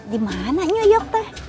di mana nyuyok teh